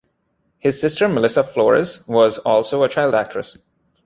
Her sister, Melissa Flores, was also a child actress.